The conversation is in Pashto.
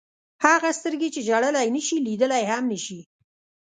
هغه سترګې چې ژړلی نه شي لیدلی هم نه شي.